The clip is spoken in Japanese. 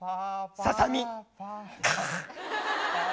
ささみか！